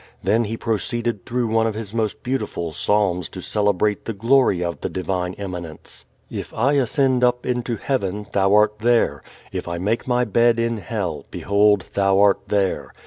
Then he proceeded through one of his most beautiful psalms to celebrate the glory of the divine immanence. "If I ascend up into heaven, thou art there: if I make my bed in hell, behold, thou art there.